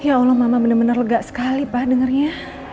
ya allah mama benar benar lega sekali pak dengarnya